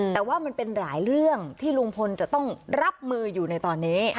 แต่ว่ามันเป็นหลายเรื่องที่ลุงพลจะต้องรับมืออยู่ในตอนนี้